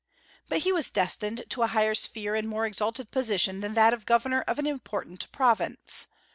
But he was destined to a higher sphere and a more exalted position than that of governor of an important province.